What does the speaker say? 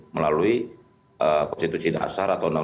melalui perhubungan dengan jokowi